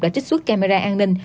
đã trích xuất camera an ninh